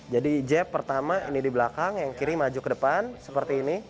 jeb pertama ini di belakang yang kiri maju ke depan seperti ini